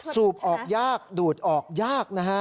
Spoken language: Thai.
สูบออกยากดูดออกยากนะฮะ